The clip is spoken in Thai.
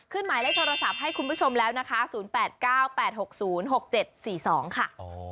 หมายเลขโทรศัพท์ให้คุณผู้ชมแล้วนะคะ๐๘๙๘๖๐๖๗๔๒ค่ะ